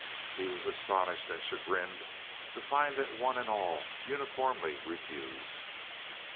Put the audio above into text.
He was astonished and chagrined to find that one and all uniformly refused.